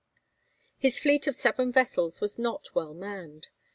His fleet of seven vessels was not well manned.